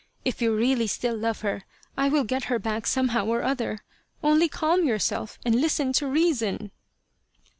If you really still love her I will get her back somehow or other. Only calm yourself and listen to reason."